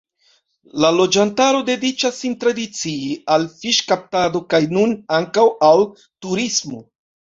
La loĝantaro dediĉas sin tradicie al fiŝkaptado kaj nun ankaŭ al turismo.